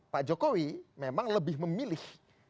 pak jokowi memang lebih memilih